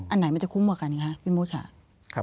อันไหนมันจะคุ้มกันอย่างไรครับพี่มูชะ